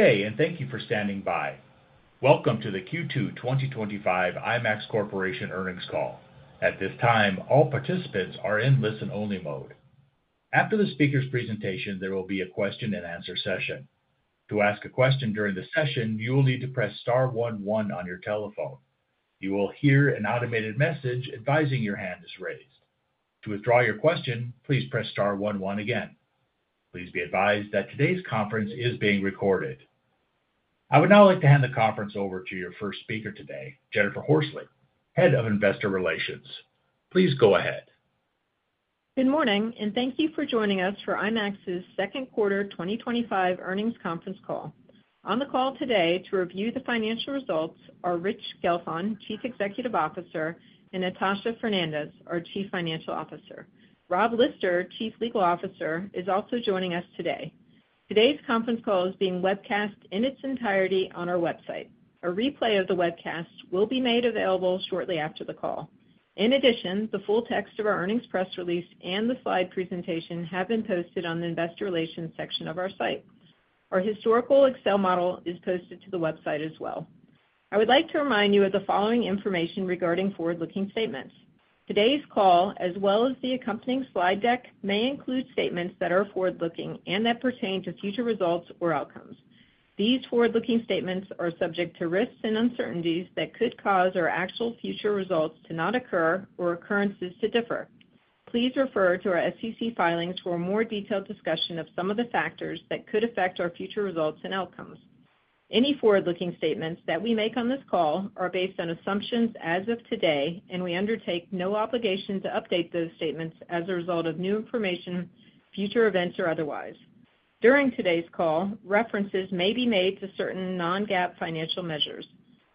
Good day, and thank you for standing by. Welcome to the Q2 2025 IMAX Corporation Earnings Call. At this time, all participants are in listen-only mode. After the speaker's presentation, there will be a question-and-answer session. To ask a question during the session, you will need to press star one one on your telephone. You will hear an automated message advising your hand is raised. To withdraw your question, please press star one one again. Please be advised that today's conference is being recorded. I would now like to hand the conference over to your first speaker today, Jennifer Horsley, Head of Investor Relations. Please go ahead. Good morning and thank you for joining us for IMAX's Second Quarter 2025 Earnings Conference Call. On the call today to review the financial results are Rich Gelfond, Chief Executive Officer, and Natasha Fernandes, our Chief Financial Officer. Rob Lister, Chief Legal Officer, is also joining us today. Today's conference call is being webcast in its entirety on our website. A replay of the webcast will be made available shortly after the call. In addition, the full text of our earnings press release and the slide presentation have been posted on the Investor Relations section of our site. Our historical Excel model is posted to the website as well. I would like to remind you of the following information regarding forward-looking statements. Today's call, as well as the accompanying slide deck, may include statements that are forward-looking and that pertain to future results or outcomes. These forward-looking statements are subject to risks and uncertainties that could cause our actual future results to not occur or occurrences to differ. Please refer to our SEC filings for a more detailed discussion of some of the factors that could affect our future results and outcomes. Any forward-looking statements that we make on this call are based on assumptions as of today and we undertake no obligation to update those statements as a result of new information, future events, or otherwise. During today's call, references may be made to certain non-GAAP financial measures.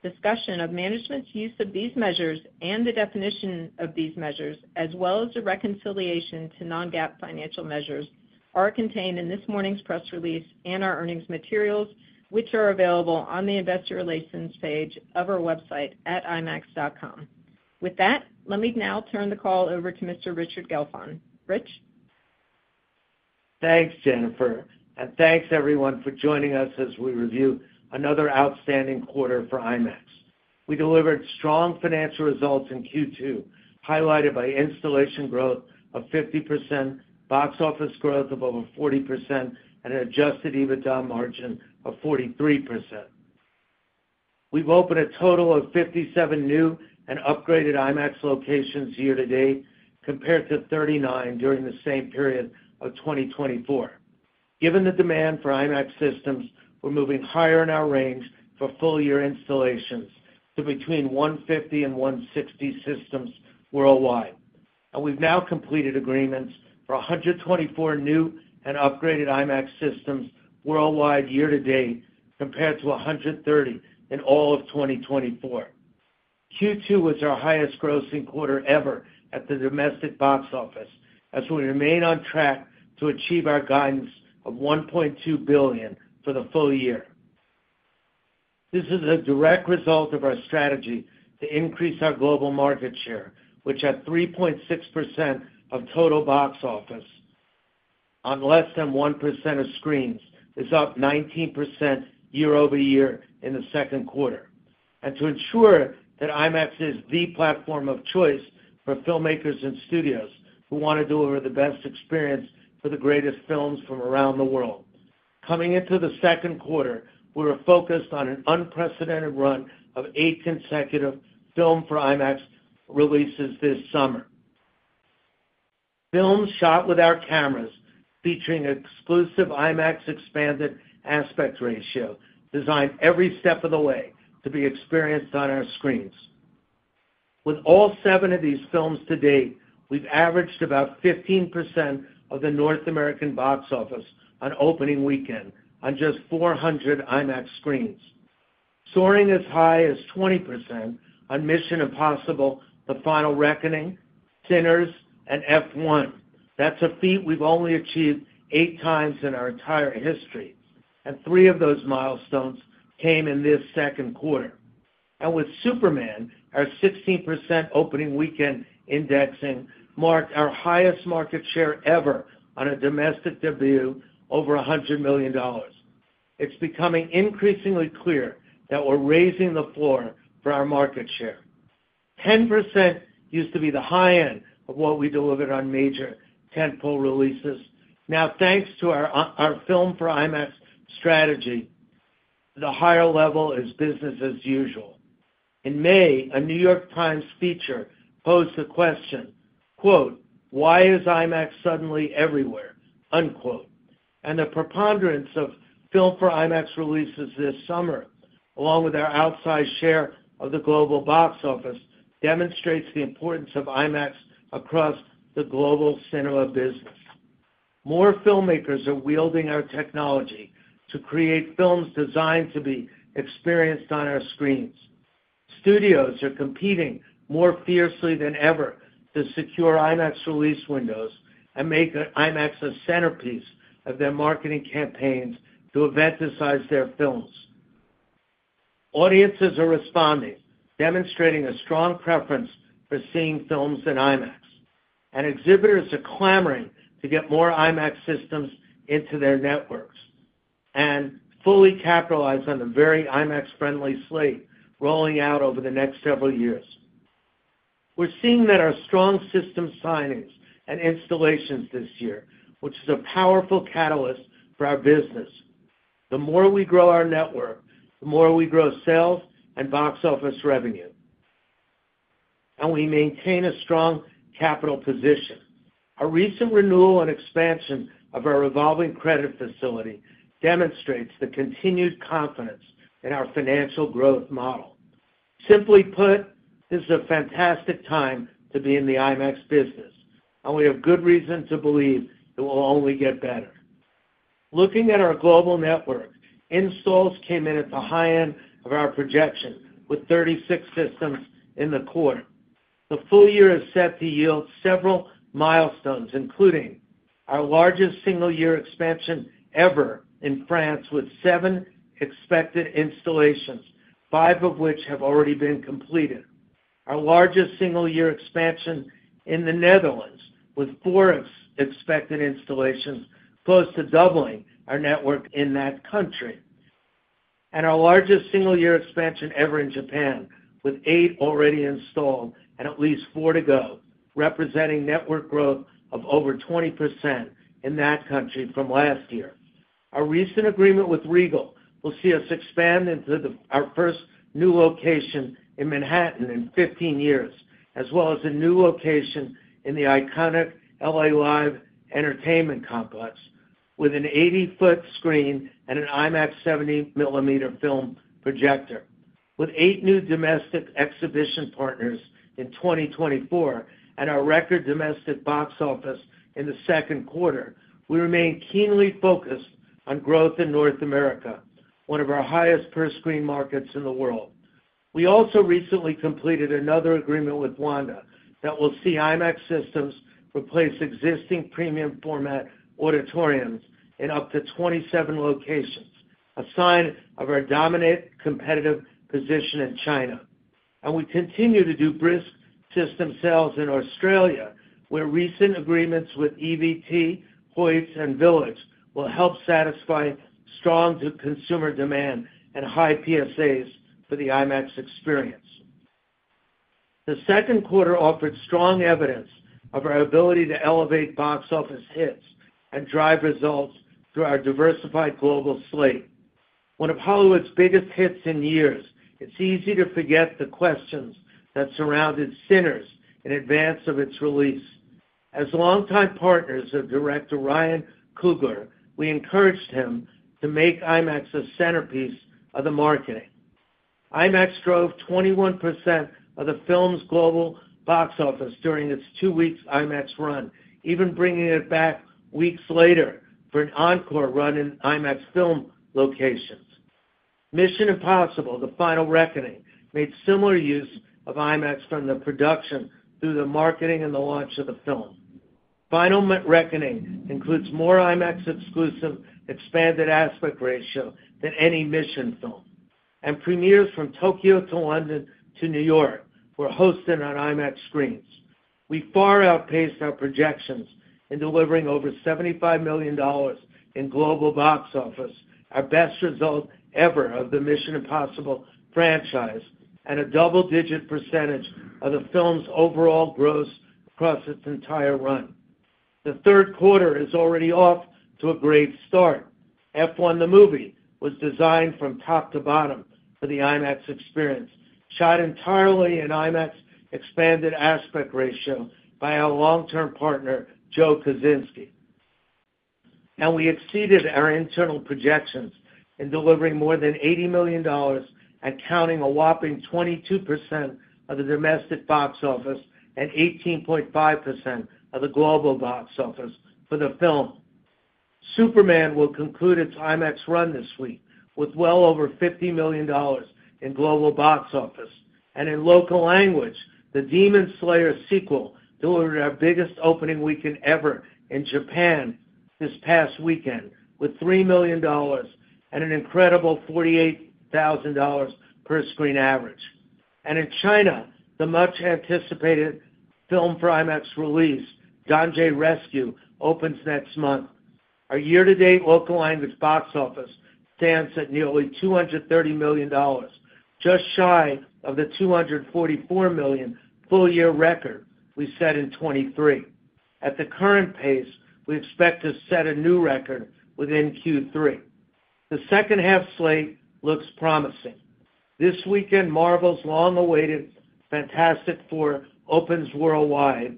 Discussion of management's use of these measures and the definition of these measures, as well as a reconciliation to non-GAAP financial measures, are contained in this morning's press release and our earnings materials, which are available on the Investor Relations page of our website at imax.com. With that, let me now turn the call over to Mr. Richard Gelfond. Rich. Thanks Jennifer, and thanks everyone for joining us as we review another outstanding quarter for IMAX. We delivered strong financial results in Q2, highlighted by installation growth of 50%, box office growth of over 40%, and an adjusted EBITDA margin of 43%. We've opened a total of 57 new and upgraded IMAX locations year-to-date compared to 39 during the same period of 2024. Given the demand for IMAX systems, we're moving higher in our range for full-year installations to between 150 and 160 systems worldwide. We've now completed agreements for 124 new and upgraded IMAX systems worldwide year to date compared to 130 in all of 2024. Q2 was our highest-grossing quarter ever at the domestic box office as we remain on track to achieve our guidance of $1.2 billion for the full year. This is a direct result of our strategy to increase our global market share, which at 3.6% of total box office on less than 1% of screens is up 19% year-over-year in the second quarter, and to ensure that IMAX is the platform of choice for filmmakers and studios who want to deliver the best experience for the greatest films from around the world. Coming into the second quarter, we are focused on an unprecedented run of 8 consecutive Filmed for IMAX releases this summer. Films shot with our cameras, featuring exclusive IMAX Expanded Aspect Ratio, designed every step of the way to be experienced on our screens. With all seven of these films to date, we've averaged about 15% of the North American box office on opening weekend on just 400 IMAX screens, soaring as high as 20% on Mission Impossible: The Final Reckoning, Sinners, and F1. That's a feat we've only achieved 8x in our entire history, and three of those milestones came in this second quarter. With Superman, our 16% opening weekend indexing marked our highest market share ever on a domestic debut over $100 million. It's becoming increasingly clear that we're raising the floor for our market share. 10% used to be the high end of what we delivered on major tentpole releases. Now, thanks to our Filmed for IMAX strategy, the higher level is business as usual. In May, a New York Times feature posed a question, "Why is IMAX suddenly everywhere?" The preponderance of Filmed for IMAX releases this summer, along with our outsized share of the global box office, demonstrates the importance of IMAX across the global cinema business. More filmmakers are wielding our technology to create films designed to be experienced on our screens. Studios are competing more fiercely than ever to secure IMAX release windows and make IMAX a centerpiece of their marketing campaigns to event the size their films. Audiences are responding, demonstrating a strong preference for seeing films in IMAX, and exhibitors are clamoring to get more IMAX systems into their networks and fully capitalize on the very IMAX friendly slate rolling out over the next several years. We're seeing that our strong system signings and installations this year, which is a powerful catalyst for our business. The more we grow our network, the more we grow sales and box office revenue, and we maintain a strong capital position. Our recent renewal and expansion of our revolving credit facility demonstrates the continued confidence in our financial growth model. Simply put, this is a fantastic time to be in the IMAX business, and we have good reason to believe it will only get better. Looking at our global network, installs came in at the high end of our projection with 36 systems in the quarter. The full year is set to yield several milestones, including our largest single year expansion ever in France with seven expected installations, five of which have already been completed, our largest single year expansion in the Netherlands with four expected installations, close to doubling our network in that country, and our largest single year expansion ever in Japan with eight already installed and at least four to go, representing network growth of over 20% in that country from last year. Our recent agreement with Regal will see us expand into our first new location in Manhattan in 15 years, as well as a new location in the iconic LA Live entertainment complex with an 80 foot screen and an IMAX 70 millimeter film projector. With eight new domestic exhibition partners in 2024 and our record domestic box office in the second quarter, we remain keenly focused on growth in North America, one of our highest-per-screen markets in the world. We also recently completed another agreement with Wanda that will see IMAX systems replace existing premium format auditoriums in up to 27 locations, a sign of our dominant competitive position in China. We continue to do brisk system sales in Australia, where recent agreements with EVT, Hoyts, and Village will help satisfy strong consumer demand and high PSAs for The IMAX Experience. The second quarter offered strong evidence of our ability to elevate box office hits and drive results through our diversified global slate. One of Hollywood's biggest hits in years, it's easy to forget the questions that surrounded Sinners in advance of its release. As longtime partners of director Ryan Coogler, we encouraged him to make IMAX a centerpiece of the marketing. IMAX drove 21% of the film's global box office during its two weeks IMAX run, even bringing it back weeks later for an encore run in IMAX film locations. Mission Impossible: The Final Reckoning made similar use of IMAX from the production through the marketing and the launch of the film. Final Reckoning includes more IMAX-exclusive Expanded Aspect Ratio than any Mission film, and premieres from Tokyo to London to New York were hosted on IMAX screens. We far outpaced our projections in delivering over $75 million in global box office, our best result ever for the Mission Impossible franchise and a double-digit percentage of the film's overall gross across its entire run. The third quarter is already off to a great start. F1 the movie was designed from top to bottom for The IMAX Experience, shot entirely in IMAX Expanded Aspect Ratio by our long-term partner Joe Kosinski, and we exceeded our internal projections in delivering more than $80 million and counting, a whopping 22% of the domestic box office and 18.5% of the global box office for the film. Superman will conclude its IMAX run this week with well over $50 million in global box office, and in local language, the Demon Slayer sequel delivered our biggest opening weekend ever in Japan this past weekend with $3 million and an incredible $48,000 per-screen average. In China, the much-anticipated film for IMAX release Dongji Rescue opens next month. Our year-to-date local language box office stands at nearly $230 million, just shy of the $244 million full-year record we set in 2023. At the current pace, we expect to set a new record within Q3. The second half slate looks promising. This weekend, Marvel's long-awaited Fantastic Four opens worldwide.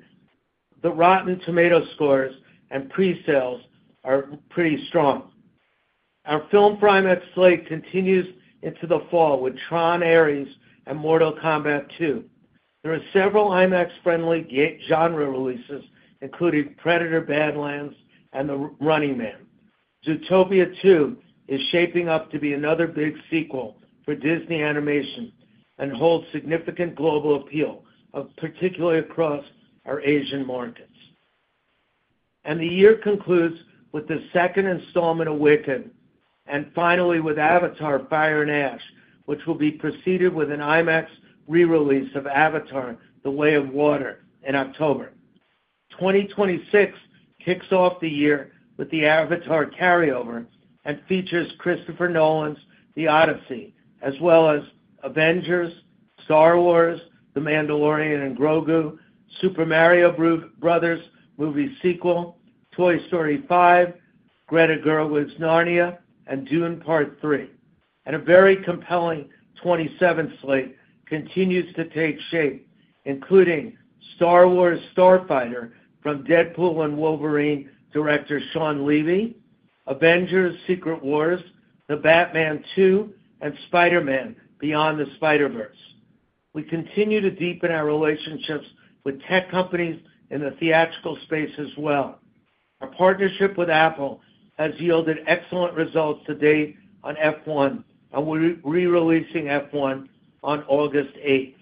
The Rotten Tomatoes scores and pre-sales are pretty strong. Our Filmed for IMAX slate continues into the fall with Tron Ares and Mortal Kombat 2. There are several IMAX-friendly genre releases including Predator: Badlands, and The Running Man. Zootopia 2 is shaping up to be another big sequel for Disney Animation and holds significant global appeal, particularly across our Asian markets. The year concludes with the second installment [guess-Awaken] and finally with Avatar Fire and Ash, which will be preceded with an IMAX re-release of Avatar The Way of Water in October. 2026 kicks off the year with the Avatar carryover and features Christopher Nolan's The Odyssey as well as Avengers, Star Wars, The Mandalorian and Grogu, Super Mario Brothers movie sequel, Toy Story 5, Greta Gerwig's Narnia, and Dune Part Three. A very compelling 2027 slate continues to take shape including Star Wars Starfighter from Deadpool and Wolverine director Shawn Levy, Avengers Secret Wars, The Batman 2, and Spider-Man Beyond the Spider-Verse. We continue to deepen our relationships with tech companies in the theatrical space as well. Our partnership with Apple has yielded excellent results to date on F1, and we're re-releasing F1 on August 8.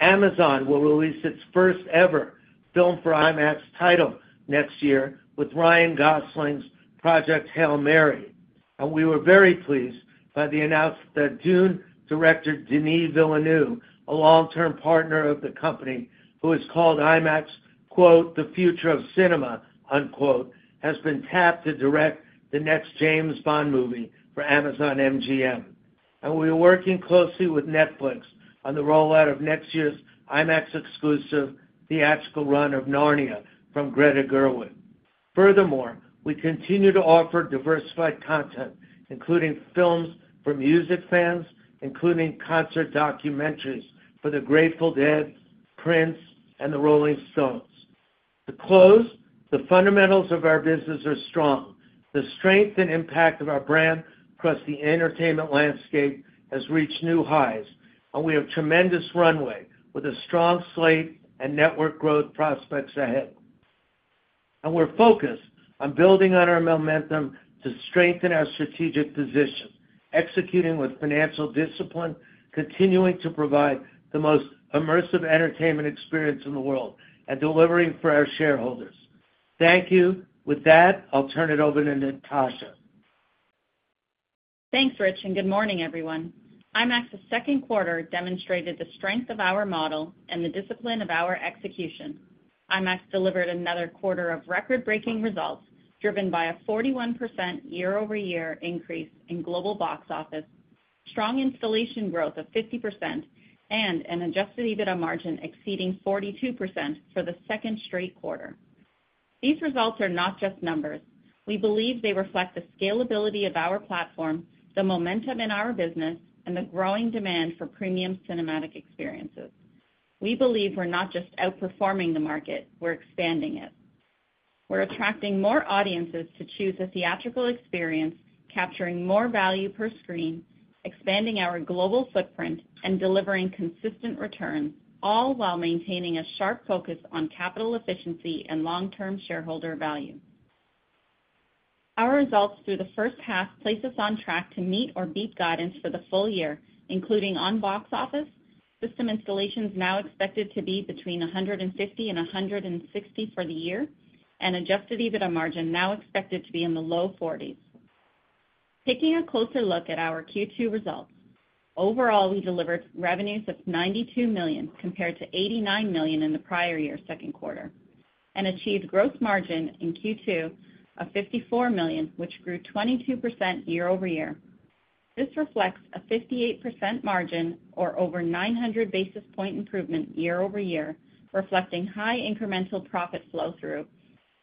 Amazon will release its first ever Filmed for IMAX title next year with Ryan Gosling's project Hail Mary. We were very pleased by the announcement that Dune director Denis Villeneuve, a long-term partner of the company who has called IMAX "the future of cinema," has been tapped to direct the next James Bond movie for Amazon MGM. We are working closely with Netflix on the rollout of next year's IMAX exclusive theatrical run of Narnia from Greta Gerwig. Furthermore, we continue to offer diversified content including films for music fans, including concert documentaries for the Grateful Dead, Prince, and The Rolling Stones. To close, the fundamentals of our business are strong. The strength and impact of our brand across the entertainment landscape has reached new highs, and we have tremendous runway with a strong slate and network growth prospects ahead. And we're focused on building on our momentum to strengthen our strategic position, executing with financial discipline, continuing to provide the most immersive entertainment experience in the world, and delivering for our shareholders. Thank you. With that, I'll turn it over to Natasha. Thanks Rich and good morning everyone. IMAX's second quarter demonstrated the strength of our model and the discipline of our execution. IMAX delivered another quarter of record-breaking results driven by a 41% year-over-year increase in global box office, strong installation growth of 50%, and an adjusted EBITDA margin exceeding 42% for the second straight quarter. These results are not just numbers. We believe they reflect the scalability of our platform, the momentum in our business, and the growing demand for premium cinematic experiences. We believe we're not just outperforming the market, we're expanding it. We're attracting more audiences to choose a theatrical experience, capturing more value per-screen, expanding our global footprint, and delivering consistent returns, all while maintaining a sharp focus on capital efficiency and long-term shareholder value. Our results through the first half place us on track to meet or beat guidance for the full year, including on box office system installations now expected to be between 150 and 160 for the year and adjusted EBITDA margin now expected to be in the low 40s. Taking a closer look at our Q2 results, overall we delivered revenues of $92 million compared to $89 million in the prior year second quarter and achieved gross margin in Q2 of $54 million, which grew 22% year-over-year. This reflects a 58% margin or over 900 basis point improvement year-over-year, reflecting high incremental profit flow-through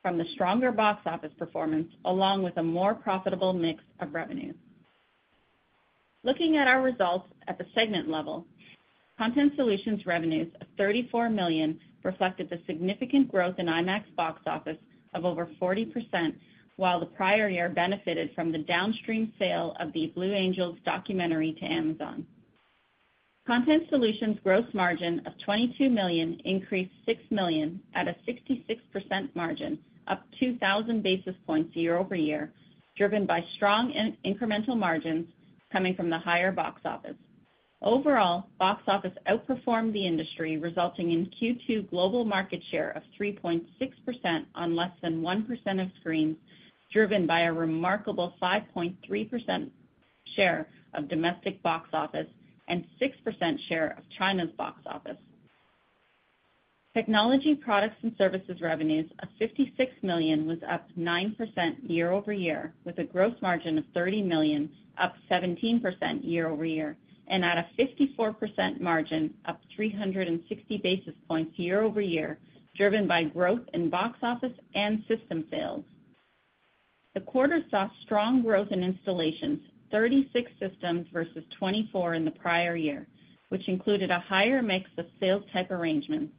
from the stronger box office performance along with a more profitable mix of revenues. Looking at our results at the segment level, Content Solutions revenues of $34 million reflected the significant growth in IMAX box office of over 40% while the prior year benefited from the downstream sale of the Blue Angels documentary to Amazon. Content Solutions gross margin of $22 million increased $6 million at a 66% margin, up 2,000 basis points year-over-year, driven by strong incremental margins coming from the higher box office. Overall, box office outperformed the industry, resulting in Q2 global market share of 3.6% on less than 1% of screens, driven by a remarkable 5.3% share of domestic box office and 6% share of China's box office. Technology Products and Services revenues of $56 million was up 9% year-over-year, with a gross margin of $30 million, up 17% year-over-year and at a 54% margin, up 360 basis points year-over-year, driven by growth in box office and system sales. The quarter saw strong growth in installations: 36 systems versus 24 in the prior year, which included a higher mix of sales-type arrangements.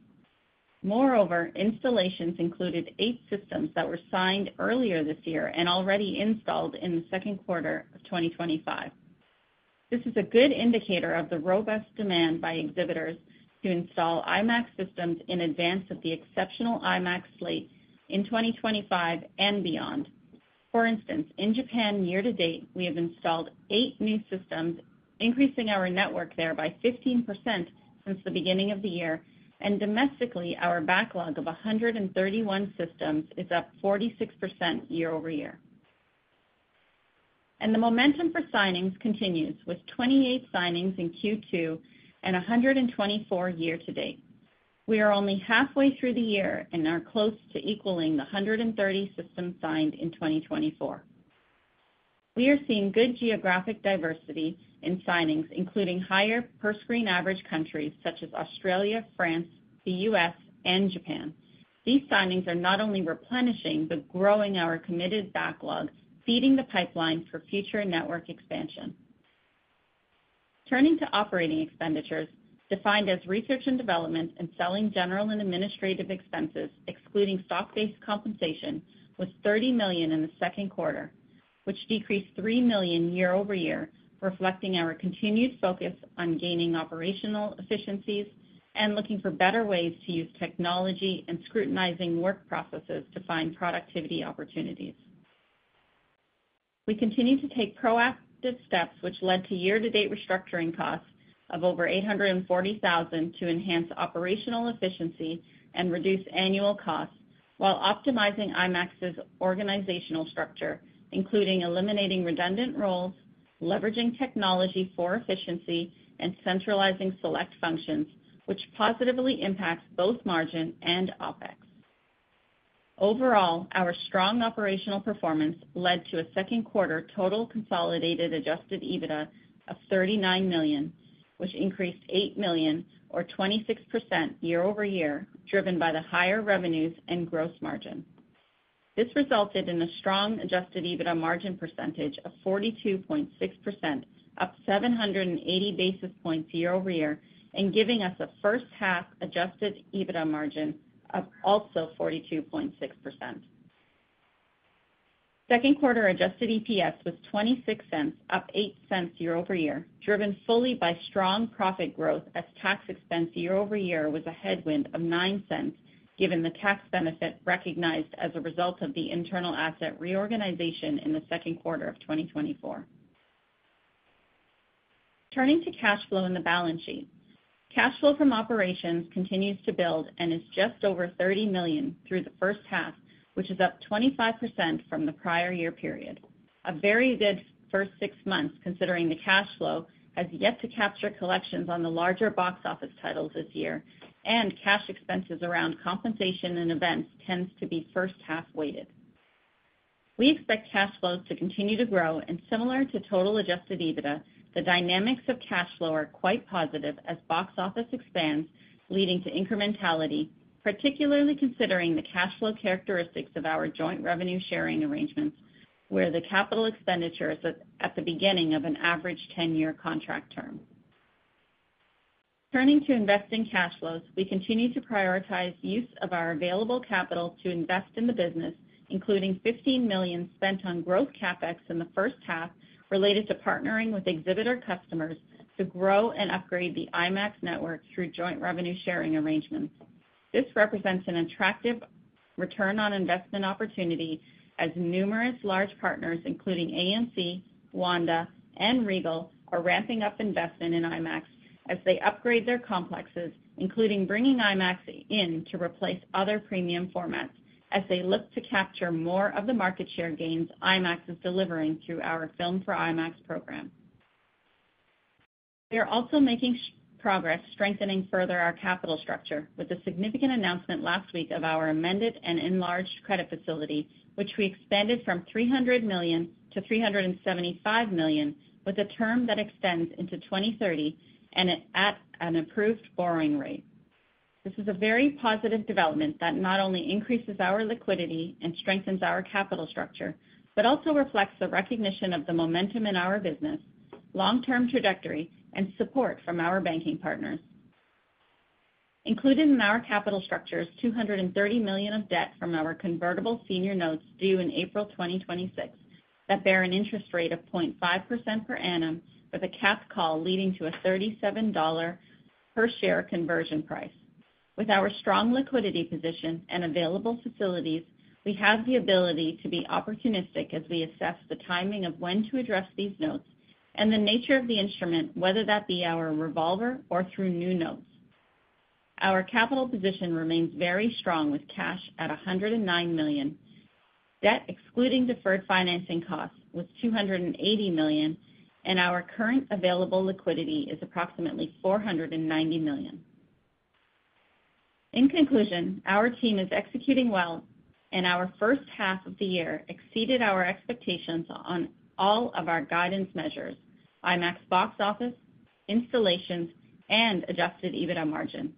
Moreover, installations included eight systems that were signed earlier this year and already installed in the second quarter of 2025. This is a good indicator of the robust demand by exhibitors to install IMAX systems in advance of the exceptional IMAX slate in 2025 and beyond. For instance, in Japan, year to date we have installed eight new systems, increasing our network there by 15% since the beginning of the year, and domestically our backlog of 131 systems is up 46% year-over-year, and the momentum for signings continues with 28 signings in Q2 and 124 year-to-date. We are only halfway through the year and are close to equaling the 130 systems signed in 2024. We are seeing good geographic diversity in signings, including higher per-screen average countries such as Australia, France, the U.S., and Japan. These signings are not only replenishing but growing our committed backlog, feeding the pipeline for future network expansion. Turning to operating expenditures, defined as research and development and selling, general and administrative expenses excluding stock-based compensation, was $30 million in the second quarter, which decreased $3 million year-over-year, reflecting our continued focus on gaining operational efficiencies and looking for better ways to use technology and scrutinizing work processes to find productivity opportunities. We continue to take proactive steps, which led to year-to-date restructuring costs of over $840,000 to enhance operational efficiency and reduce annual costs. While optimizing IMAX's organizational structure, including eliminating redundant roles, leveraging technology for efficiency, and centralizing select functions, which positively impacts both margin and OpEx. Overall, our strong operational performance led to a second-quarter total consolidated adjusted EBITDA of $39 million, which increased $8 million or 26% year-over-year, driven by the higher revenues and gross margin. This resulted in a strong adjusted EBITDA margin percentage of 42.6%, up 780 basis points year-over-year and giving us a first-half adjusted EBITDA margin of also 42.6%. Second quarter adjusted EPS was $0.26, up $0.08 year-over-year, driven fully by strong profit growth as tax expense year-over-year was a headwind of $0.09 given the tax benefit recognized as a result of the internal asset reorganization in the second quarter of 2024. Turning to cash flow and the balance sheet, cash flow from operations continues to build and is just over $30 million through the first half, which is up 25% from the prior year period. A very good first six months. Considering the cash flow has yet to capture collections on the larger box office titles this year and cash expenses around compensation and events tend to be first half weighted, we expect cash flows to continue to grow and, similar to total adjusted EBITDA, the dynamics of cash flow are quite positive as box office expands leading to incrementality, particularly considering the cash flow characteristics of our Joint Revenue Sharing Arrangements where the capital expenditure is at the beginning of an average 10-year contract term. Turning to investing cash flows, we continue to prioritize use of our available capital to invest in the business, including $15 million spent on growth CapEx in the first half related to partnering with exhibitor customers to grow and upgrade the IMAX network through joint revenue-sharing arrangements. This represents an attractive return on investment opportunity as numerous large partners, including AMC, Wanda, and Regal, are ramping up investment in IMAX as they upgrade their complexes, including bringing IMAX in to replace other premium formats as they look to capture more of the market share gains IMAX is delivering through our Filmed for IMAX program. We are also making progress strengthening further our capital structure with a significant announcement last week of our amended and enlarged credit facility, which we expanded from $300 million-$375 million with a term that extends into 2030 and at an approved borrowing rate. This is a very positive development that not only increases our liquidity and strengthens our capital structure, but also reflects the recognition of the momentum in our business long-term trajectory and support from our banking partners. Included in our capital structure is $230 million of debt from our convertible senior notes due in April 2026 that bear an interest rate of 0.5% per annum, with a cap call leading to a $37 per share conversion price. With our strong liquidity position and available facilities, we have the ability to be opportunistic as we assess the timing of when to address these notes and the nature of the instrument, whether that be our revolver or through new notes. Our capital position remains very strong with cash at $109 million. Debt excluding deferred financing costs was $280 million and our current available liquidity is approximately $490 million. In conclusion, our team is executing well and our first half of the year exceeded our expectations on all of our guidance measures, IMAX box office, installations, and adjusted EBITDA margin.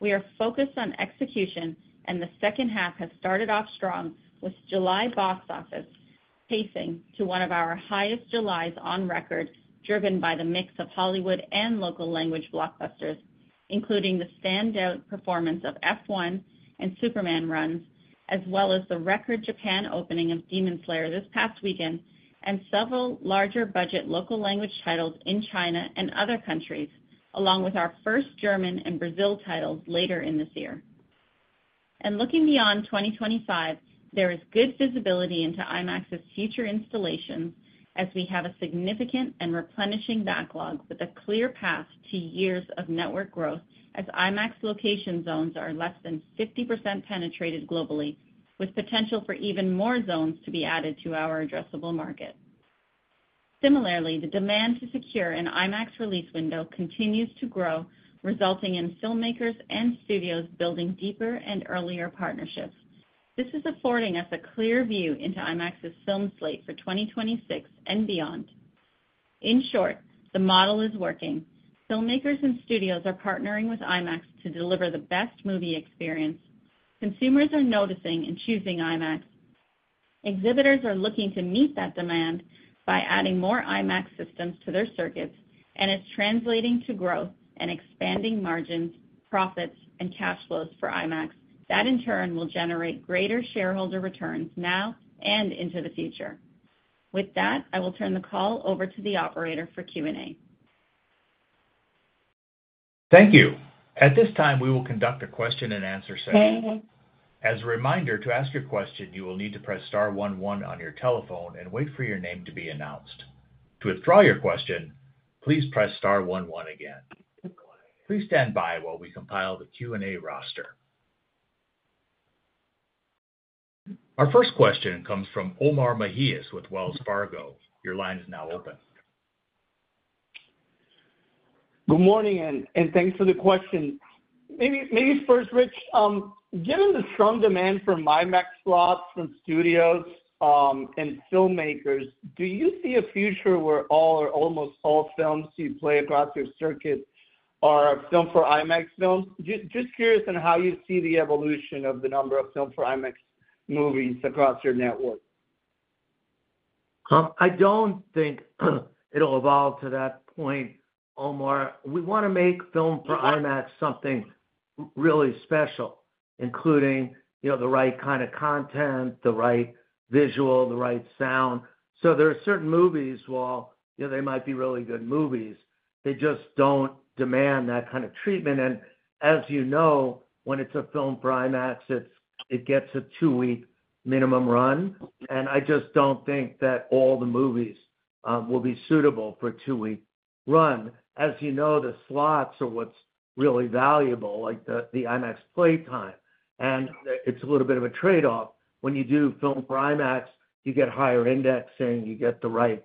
We are focused on execution and the second half has started off strong with July box office pacing to one of our highest Julys on record, driven by the mix of Hollywood and local language blockbusters including the standout performance of F1 and Superman runs, as well as the record Japan opening of Demon Slayer this past weekend and several larger budget local language titles in China and other countries, along with our first German and Brazil titles later in this year. Looking beyond 2025, there is good visibility into IMAX's future installation as we have a significant and replenishing backlog with a clear path to years of network growth as IMAX location zones are less than 50% penetrated globally, with potential for even more zones to be added to our addressable market. Similarly, the demand to secure an IMAX release window continues to grow, resulting in filmmakers and studios building deeper and earlier partnerships. This is affording us a clear view into IMAX's film slate for 2026 and beyond. In short, the model is working. Filmmakers and studios are partnering with IMAX to deliver the best movie experience. Consumers are noticing and choosing IMAX. Exhibitors are looking to meet that demand by adding more IMAX systems to their circuits and it's translating to growth and expanding margins, profits, and cash flows for IMAX. That in turn will generate greater shareholder returns now and into the future. With that, I will turn the call over to the operator for Q&A. Thank you. At this time we will conduct a question-and-answer session. As a reminder, to ask a question, you will need to press star one one on your telephone and wait for your name to be announced. To withdraw your question, please press star one one again. Please stand by while we compile the Q&A roster. Our first question comes from Omar Mejias with Wells Fargo. Your line is now open. Good morning and thanks for the question. Maybe first, Rich, given the strong demand for my IMAX slots and studios and filmmakers, do you see a future where all or almost all films you play across your circuit are Filmed for IMAX films? Just curious on how you see the evolution of the number of Filmed for IMAX movies across your network. I don't think it'll evolve to that point, Omar. We want to make Filmed for IMAX something really special, including, you know, the right kind of content, the right visual, the right sound. There are certain movies, while, you know, they might be really good movies, they just don't demand that kind of treatment. As you know, when it's a Filmed for IMAX, it gets a two-week minimum run and I just don't think that all the movies will be suitable for two wee- run. As you know, the slots are what's really valuable, like the IMAX play time. It's a little bit of a trade-off. When you do Filmed for IMAX, you get higher indexing, you get the right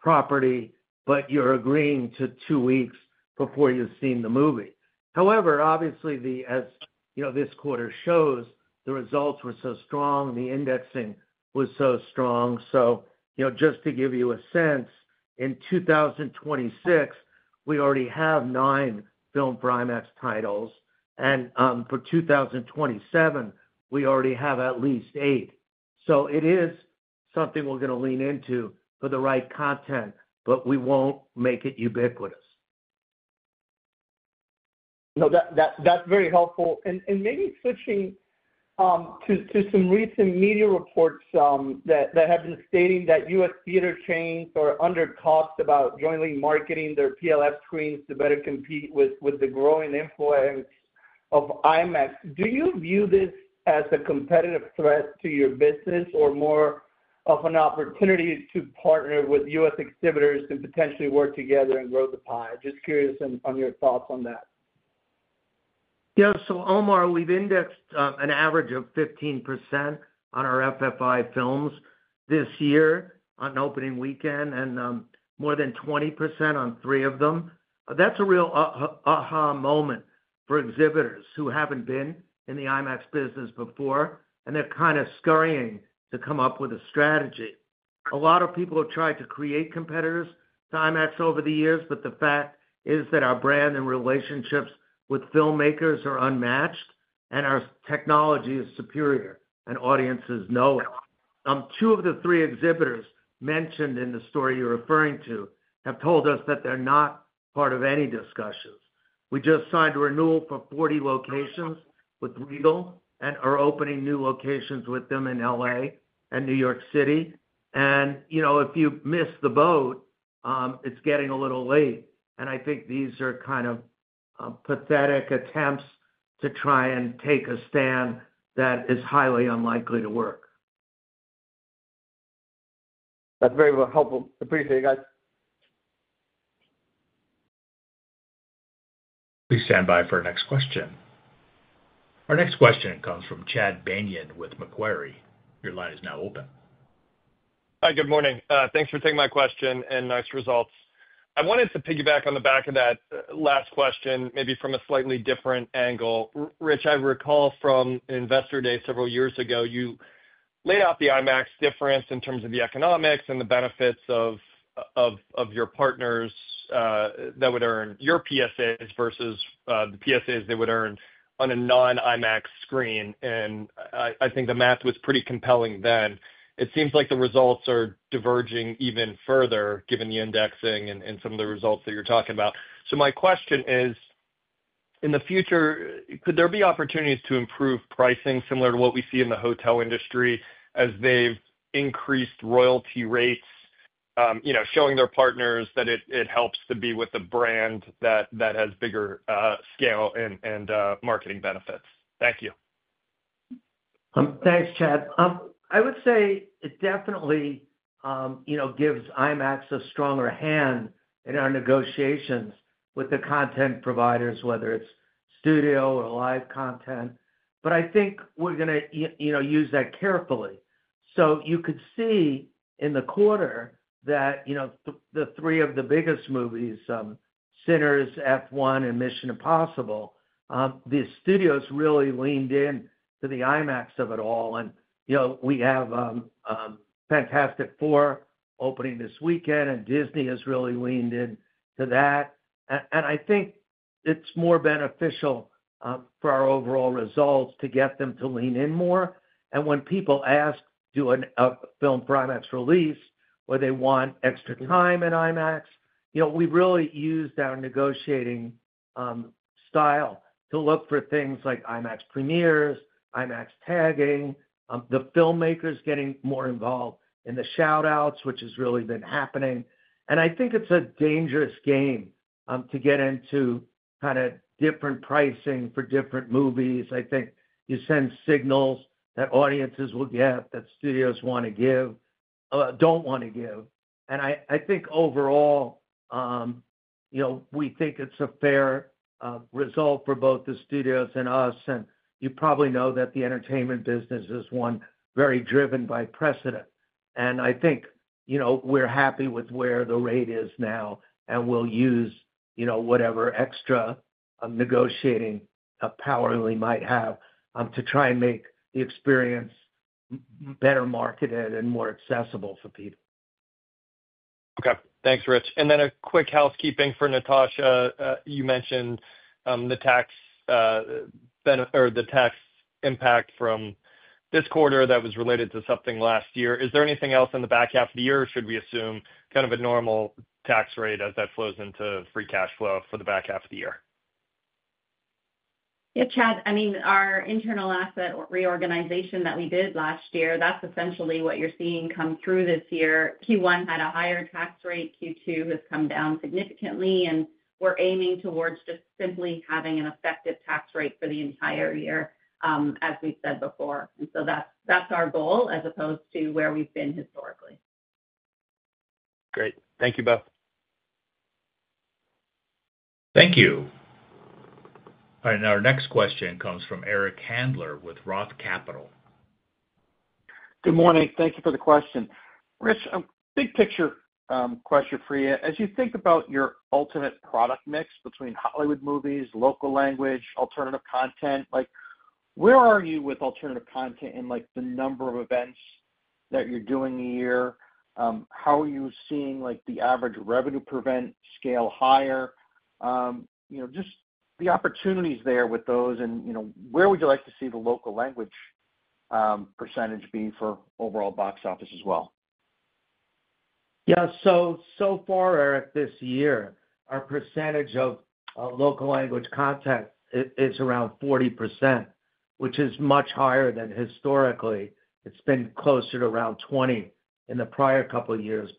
property, but you're agreeing to two weeks before you've seen the movie. Obviously, as you know, this quarter shows the results were so strong, the indexing was so strong. So just to give you a sense, in 2026 we already have nine Filmed for IMAX titles and for 2027 we already have at least eight. It is something we're going to lean into for the right content, but we won't make it ubiquitous. No, that's very helpful. Maybe switching to some recent media reports that have been stating that U.S. theater chains are under talked about jointly marketing their PLF screens to better compete with the growing influence of IMAX. Do you view this as a competitive threat to your business or more of an opportunity to partner with U.S. exhibitors and potentially work together and grow the pie? Just curious on your thoughts on that. Yeah. Omar, we've indexed an average of 15% on our FFI films this year on opening weekend and more than 20% on three of them. That's a real aha moment for exhibitors who haven't been in the IMAX business before and they're kind of scurrying to come up with a strategy. A lot of people have tried to create competitors over the years. The fact is that our brand and relationships with filmmakers are unmatched, and our technology is superior and audiences know it. Two of the three exhibitors mentioned in the story you're referring to have told us that they're not part of any discussions. We just signed a renewal for 40 locations with Regal and are opening new locations with them in L.A. and New York City. And if you miss the boat, it's getting a little late and I think these are kind of pathetic attempts to try and take a stand that is highly unlikely to work. That's very helpful. Appreciate it. Please stand by for our next question. Our next question comes from Chad Beynon with Macquarie. Your line is now open. Hi, good morning. Thanks for taking my question and nice results. I wanted to piggyback on the back of that last question, maybe from a slightly different angle. Rich, I recall from Investor Day several years ago, you laid out the IMAX difference in terms of the economics and the benefits of your partners that would earn your PSAs versus the PSAs they would earn on a non-IMAX screen. And I think the math was pretty compelling then. It seems like the results are diverging even further given the indexing and some of the results that you're talking about. So my question is, in the future, could there be opportunities to improve pricing similar to what we see in the hotel industry as they've increased royalty rates, showing their partners that it helps to be with a brand that has bigger scale and marketing benefits? Thank you. Thanks, Chad. I would say it definitely gives IMAX a stronger hand in our negotiations with the content providers, whether it's studio or live content. But I think we're going to use that carefully. So you could see in the quarter that three of the biggest movies, Sinners, F1 and Mission Impossible, the studios really leaned in to the IMAX of it all. We have Fantastic Four opening this weekend and Disney has really leaned in to that. I think it's more beneficial for our overall results to get them to lean in more. When people ask to do a Filmed for IMAX release where they want extra time in IMAX, we really use our negotiating style to look for things like IMAX premieres, IMAX tagging, the filmmakers getting more involved in the shout-outs, which has really been happening. I think it's a dangerous game to get into kind of different pricing for different movies. I think you send signals that audiences will get that studios want to give, don't want to give. And I think overall, we think it's a fair result for both the studios and us. And you probably know that the entertainment business is one very driven by precedent. I think we're happy with where the rate is now. And we'll use whatever extra negotiating power we might have to try and make the experience better marketed and more accessible for people. Okay, thanks, Rich. A quick housekeeping for Natasha. You mentioned the tax benefit or the tax impact from this quarter that was related to something last year. Is there anything else in the back half of the year? Should we assume kind of a normal tax rate as that flows into free cash flow for the back half of the year? Yeah, Chad. I mean, our internal asset reorganization that we did last year, that's essentially what you're seeing come through this year. Q1 had a higher tax rate. Q2 has come down significantly, and we're aiming towards just simply having an effective tax rate for the entire year, as we said before. That's our goal as opposed to where we've been historically. Great. Thank you, [guess-Beth]. Thank you. All right, now our next question comes from Eric Handler with ROTH Capital. Good morning. Thank you for the question. Rich, big picture question for you. As you think about your ultimate product mix between Hollywood movies, local language, alternative content, like, where are you with alternative content and like the number of events that you're doing a year, how are you seeing like the average revenue per event scale higher, you know, just the opportunities there with those. You know, where would you like to see the local language percentage be for overall box office as well? Yeah. So far, Eric, this year our percentage of local language content is around 40%, which is much higher than historically. It's been closer to around 20% in the prior couple years.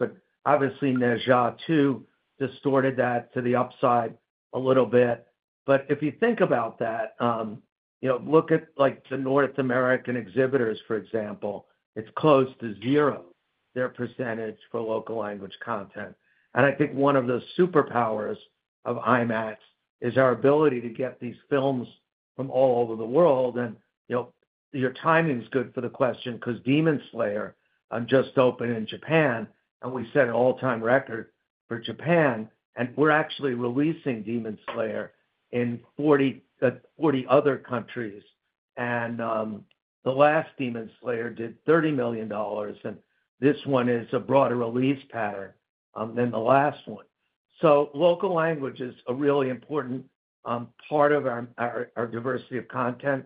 Obviously, Ne Zha II distorted that to the upside a little bit. But if you think about that, look at the North American exhibitors, for example, it's close to zero, their percentage for local language content. I think one of the superpowers of IMAX is our ability to get these films from all over the world. And your timing is good for the question because Demon Slayer just opened in Japan and we set an all-time record for Japan and we're actually releasing Demon Slayer in 40 other countries. And the last Demon Slayer did $30 million, and this one is a broader release pattern than the last one. So local language is a really important part of our diversity of content.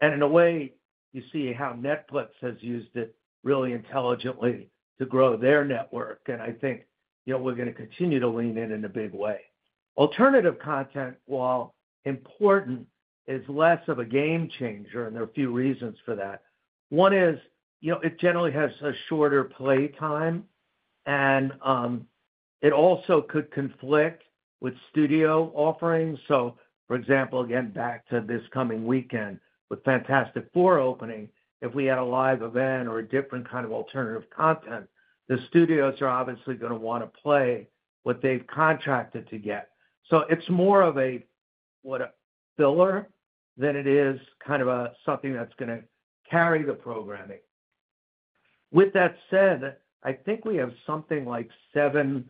In a way, you see how Netflix has used it really intelligently to grow their network. I think we're going to continue to lean in in a big way. Alternative content, while important, is less of a game-changer and there are a few reasons for that. One is, it generally has a shorter play time and it also could conflict with studio offerings. So for example, again, back to this coming weekend with Fantastic Four opening. If we had a live event or a different kind of alternative content, the studios are obviously going to want to play what they've contracted to get. It's more of a filler than it is something that's going to carry the programming. With that said, I think we have something like seven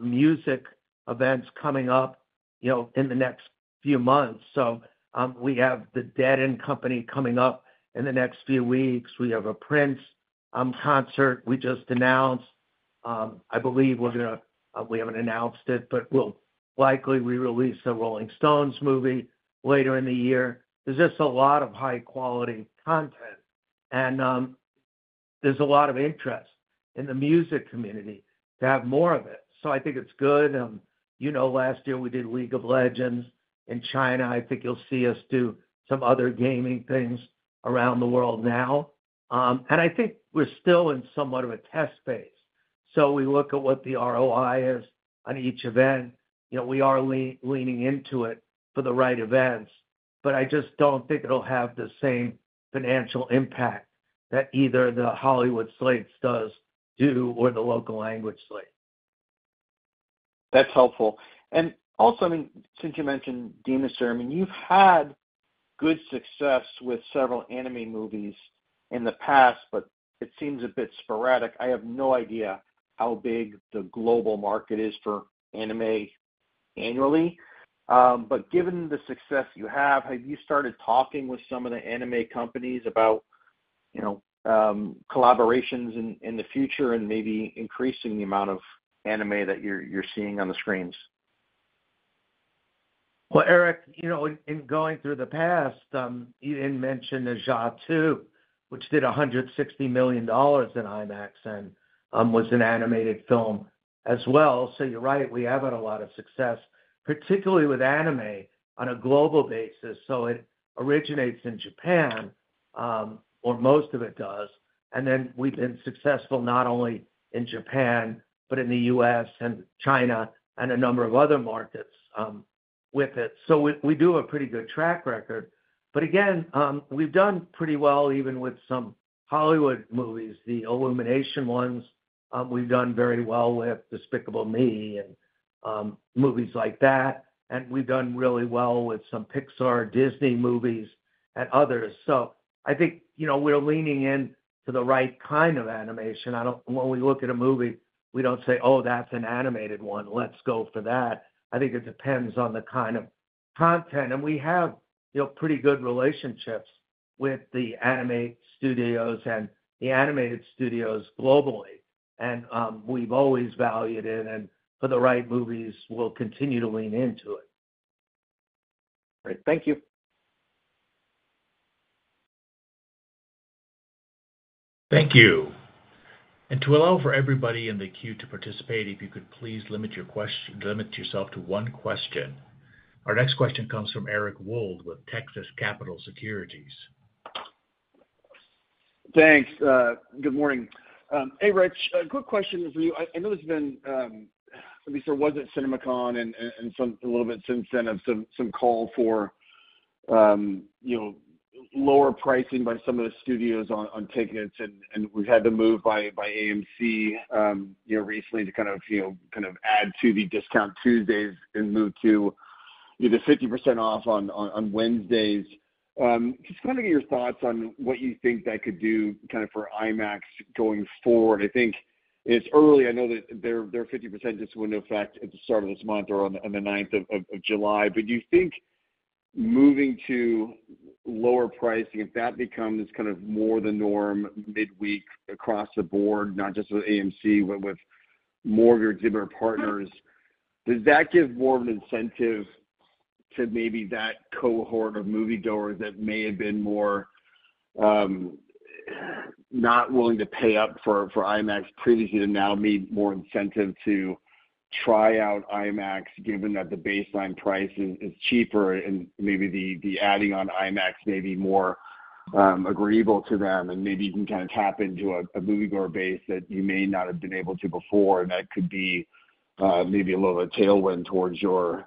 music events coming up in the next few months. So we have the Dead & Company coming up in the next few weeks. We have a Prince concert we just announced. I believe we're going to. We haven't announced it, but we'll likely release a Rolling Stones movie later in the year. There's just a lot of high -content and there's a lot of interest in the music community to have more of it. I think it's good. You know, last year we did League of Legends in China. I think you'll see us do some other gaming things around the world now. I think we're still in somewhat of a test phase. So we look at what the ROI is on each event. We are leaning into it for the right events, but I just don't think it'll have the same financial impact that either the Hollywood slate does or the local language slate. That's helpful. And also, since you mentioned [guess-Demon Slayer], you've had good success with several anime movies in the past, but it seems a bit sporadic. I have no idea how big the global market is for anime annually, but given the success you have, have you started talking with some of the anime companies about collaborations in the future and maybe increasing the amount of anime that you're seeing on the screens? Well. Eric, in going through the past, you didn't mention the Ne Zha II, which did $160 million in IMAX and was an animated film as well. You're right, we have had a lot of success, particularly with anime on a global basis. It originates in Japan or most of it does. And we've been successful not only in Japan, but in the U.S. and China and a number of other markets with it. We do have a pretty good track record. We've done pretty well even with some Hollywood movies, the Illumination ones, we've done very well with Despicable Me and movies like that. We've done really well with some Pixar Disney movies and others. I think we're leaning in to the right kind of animation. When we look at a movie we don't say, oh, that's an animated one, let's go for that. I think it depends on the kind of content and we have pretty good relationships with the anime studios and the animated studios globally and we've always valued it. For the right movies, we'll continue to lean into it. Thank you. Thank you. To allow for everybody in the queue to participate, if you could please limit yourself to one question. Our next question comes from Eric Wold with Texas Capital Securities. Thanks. Good morning. Hey Rich, quick question for you. I know it's been at least there wasn't CinemaCon and a little bit since then of some call for lower pricing by some of the studios on tickets. And we've had the move by AMC recently to kind of add to the discount Tuesdays and move to the 50% off on Wednesdays. Just kind of get your thoughts on what you think that could do for IMAX going forward. I think it's early. I know that their 50% just went into effect at the start of this month or on the 9th of July. Do you think moving to lower pricing, if that becomes more the norm midweek across the board, not just with AMC but with more of your exhibitor partners, does that give more of an incentive to maybe that cohort of moviegoers that may have been more not willing to pay up for IMAX previously to now meet more incentive to try out IMAX given that the baseline price is cheaper and maybe the adding on IMAX may be more agreeable to them and maybe you can tap into a moviegoer base that you may not have been able to before and that could be maybe a little tailwind towards your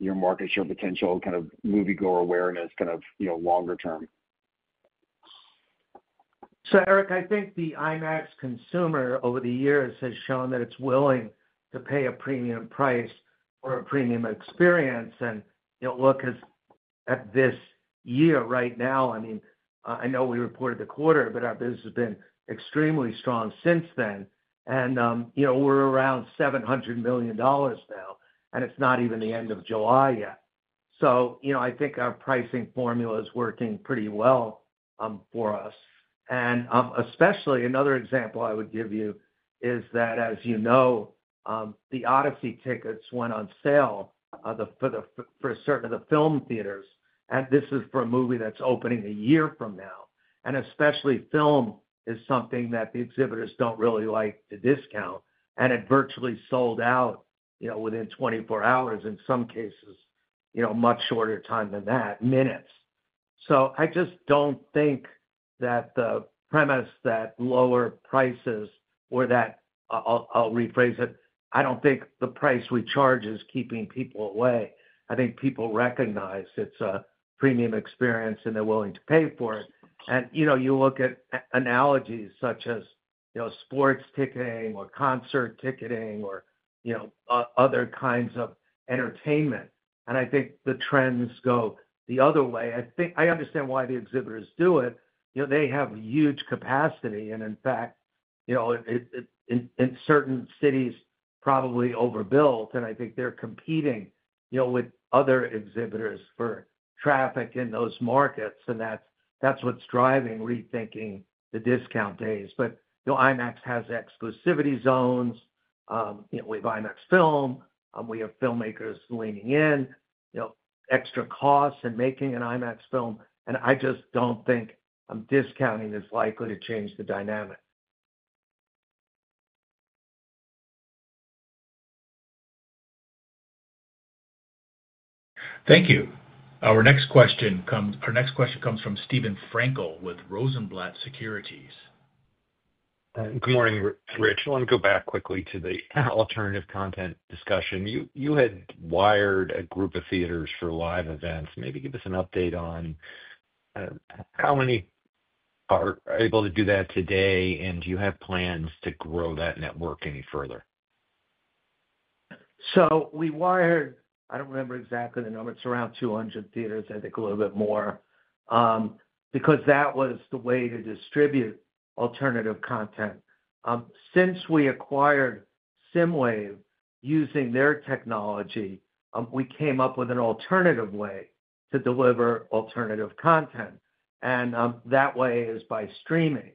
market share potential, kind of moviegoer awareness longer term? So, Eric, I think the IMAX consumer over the years has shown that it's willing to pay a premium price for a premium experience. And look at this year right now. I mean, I know we reported the quarter, but this has been extremely strong since then. We're around $700 million now and it's not even the end of July yet. So, I think our pricing formula is working pretty well for us. Another example I would give you is that as you know, The Odyssey tickets went on sale for certain of the film theaters and this is for a movie that's opening a year from now. Especially film is something that the exhibitors don't really like to discount. It virtually sold out within 24 hours, in some cases much shorter time than that, minutes. I just don't think that the premise that lower prices or that, I'll rephrase it, I don't think the price we charge is keeping people away. I think people recognize it's a premium experience and they're willing to pay for it. You look at analogies such as sports ticketing or concert ticketing or other kinds of entertainment and I think the trends go the other way. I think I understand why the exhibitors do it. You know, they have huge capacity and in fact, in certain cities probably overbuilt and I think they're competing with other exhibitors for traffic in those markets. That's what's driving rethinking the discount days. IMAX has exclusivity zones. We have IMAX film, we have filmmakers leaning in, extra costs and making an IMAX film. I just don't think discounting is likely to change the dynamic. Thank you. Our next question comes from Steven Frankel with Rosenblatt Securities. Good morning, Rich. I want to go back quickly to the alternative content discussion. You had wired a group of theaters for live events. Maybe give us an update on how many are able to do that today and do you have plans to grow that network any further? So we wired, I don't remember exactly the number. It's around 200 theaters, I think a little bit more because that was the way to distribute alternative content. Since we acquired SSIMWAVE using their technology, we came up with an alternative way to deliver alternative content and that way is by streaming.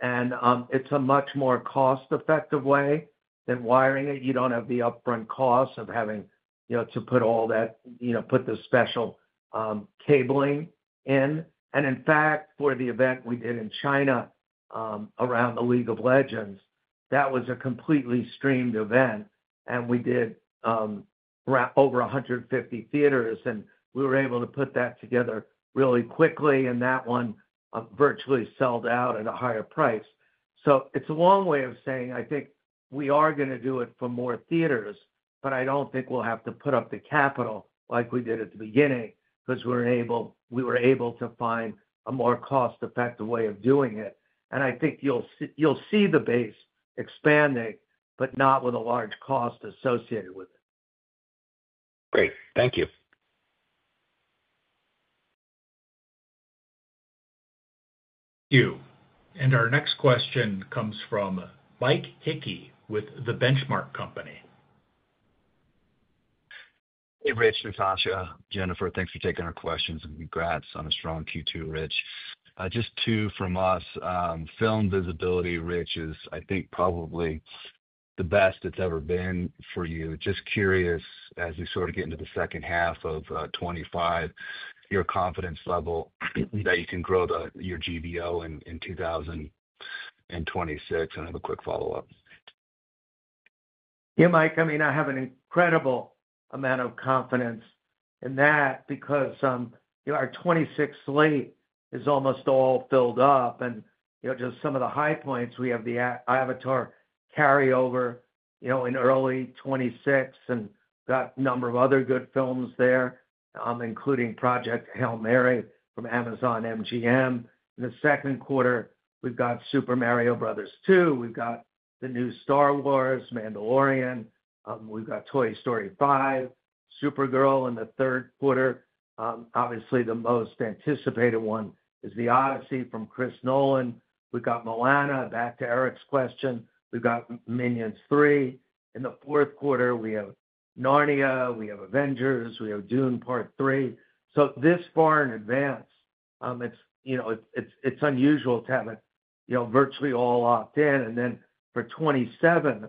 And it's a much more cost-effective way than wiring it. You don't have the upfront costs of having to put all that, put the special cabling in. In fact, for the event we did in China around the League of Legends, that was a completely streamed event and we did over 150 theaters and we were able to put that together really quickly and that one virtually sold out at a higher price. So it's a long way of saying I think we are going to do it for more theaters, but I don't think we'll have to put up the capital like we did at the beginning because we were able to find a more cost-effective way of doing it and I think you'll see the base expanding, but not with a large cost associated with it. Great. Thank you. Thank you. Our next question comes from Mike Hickey with the Benchmark Company. Hey, Rich, Natasha, Jennifer, thanks for taking our questions and congrats on a strong Q2. Rich, just two from us film visibility, Rich is I think probably the best it's ever been for you. Just curious, as we sort of get into second half of 2025, your confidence level that you can grow your GBO in 2026 and have a quick follow-up? Yeah, Mike, I mean, I have an incredible amount of confidence and that because our 2026 slate is almost all filled up and just some of the high points. We have the Avatar carryover, you know, in early 2026, and got a number of other good films there, including Project Hail Mary from Amazon MGM. In the second quarter, we've got Super Mario Brothers 2, we've got the new Star Wars Mandalorian, we've got Toy Story 5, Supergirl. In the third quarter, obviously the most anticipated one is The Odyssey from Chris Nolan. We got Moana. Back to Eric's question. We've got Minions 3. In the fourth quarter, we have Narnia, we have Avengers, we have Dune Part Three. This far in advance, it's unusual to have it virtually all opt in. For 2027,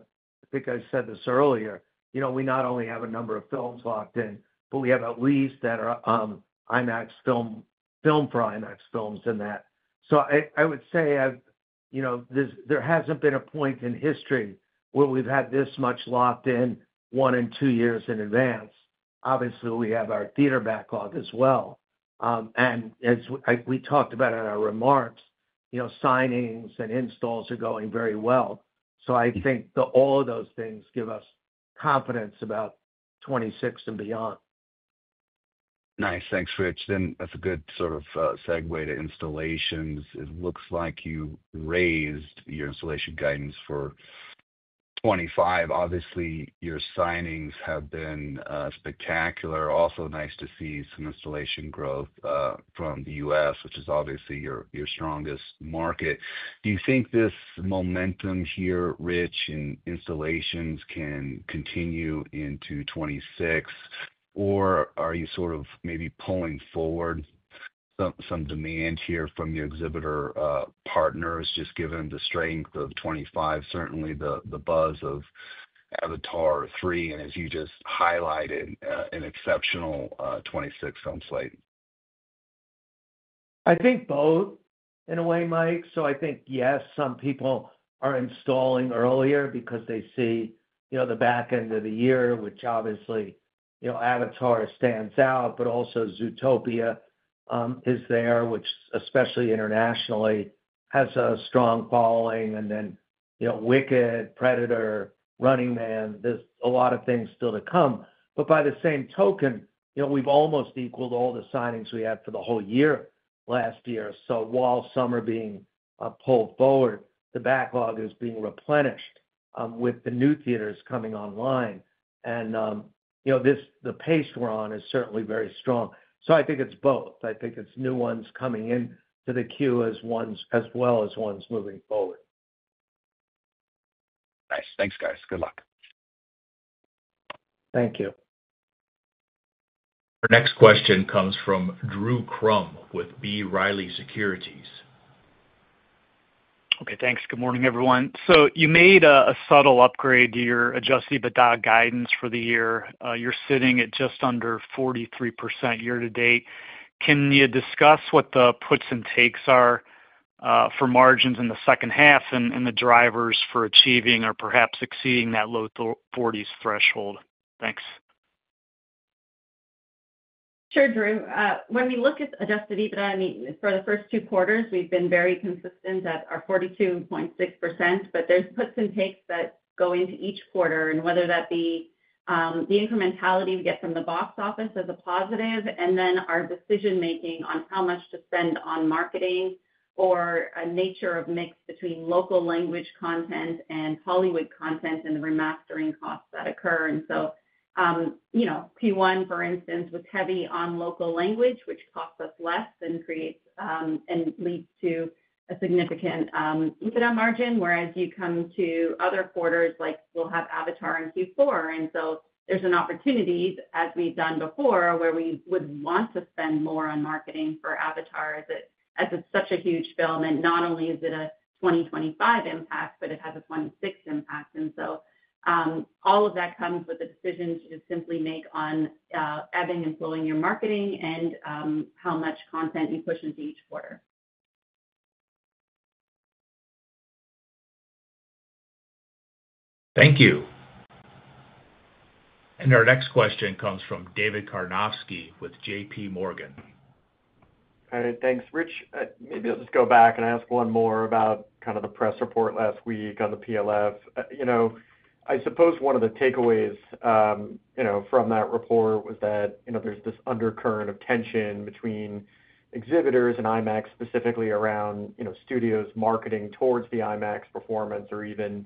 I think I said this earlier, we not only have a number of films locked in, but we have at least that are IMAX Filmed for IMAX films in that. I would say there hasn't been a point in history where we've had this much locked in one and two years in advance. Obviously, we have our theater backlog as well. As we talked about in our remarks, signings and installs are going very well. I think all of those things give us confidence about 2026 and beyond. Nice. Thanks, Rich. That's a good sort of segue to installations. It looks like you raised your installation guidance for 2025. Obviously, your signings have been spectacular. Also nice to see some installation growth from the U.S., which is obviously your strongest market. Do you think this momentum here, Rich, in installations can continue into 2026, or are you sort of maybe pulling forward some demand here from your exhibitor partners, just given the strength of 2025, certainly the buzz of Avatar 3 and as you just highlighted, an exceptional 2026 film slate? I think both in a way, Mike. I think, yes, some people are installing earlier because they see the back end of the year, which obviously Avatar stands out, but also Zootopia is there, which especially internationally has a strong following. Then Wicked, Predator, Running Man. There's a lot of things still to come. By the same token, we've almost equaled all the signings we had for the whole year last year. While some are being pulled forward, the backlog is being replenished with the new theaters coming online. The pace we're on is certainly very strong. I think it's both. I think it's new ones coming into the queue as well as ones moving forward. Nice. Thanks, guys. Good luck. Thank you. Our next question comes from Drew Crum with B. Riley Securities. Okay, thanks. Good morning, everyone. You made a subtle upgrade to your adjusted EBITDA guidance for the year. You're sitting at just under 43% year-to-date. Can you discuss what the puts and takes are for margins in the second half and the drivers for achieving or perhaps exceeding that low 40% threshold? Thanks. Sure, Drew. When we look at adjusted EBITDA for the first two quarters, we've been very consistent at our 42.6%. There's puts and takes that go into each quarter, whether that be the incrementality we get from the box office as a positive, and then our decision making on how much to spend on marketing or a nature of mix between local language content and Hollywood content and the remastering costs that occur. P1, for instance, was heavy on local language, which costs us less and creates and leads to a significant incident margin. Whereas you come to other quarters like we'll have Avatar in Q4, there's an opportunity, as we've done before, where we would want to spend more on marketing for Avatar as it's such a huge film and not only is it a 2025 impact, but it has a 2026 impact. All of that comes with the decisions you simply make on ebbing and pulling your marketing and how much content you push into each quarter. Thank you. Our next question comes from David Karnovsky with JPMorgan. Thanks, Rich. Maybe I'll just go back and ask one more about the press report last week on the PLF. I suppose one of the takeaways from that report was that there's this undercurrent of tension between exhibitors and IMAX, specifically around studios marketing towards the IMAX performance or even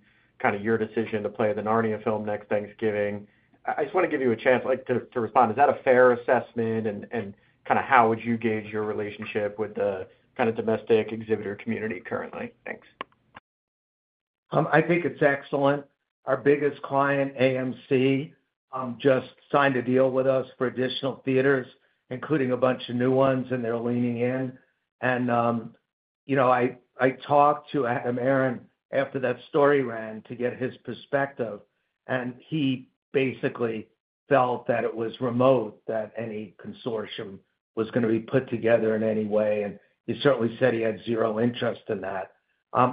your decision to play the Narnia film next Thanksgiving. I just want to give you a chance to respond. Is that a fair assessment and how would you gauge your relationship with the domestic exhibitor community currently? Thanks. I think it's excellent. Our biggest client, AMC, just signed a deal with us for additional theaters, including a bunch of new ones, and they're leaning in. And you know I talked to Aron after that story ran to get his perspective, and he basically felt that it was remote that any consortium was going to be put together in any way. He certainly said he had zero interest in that.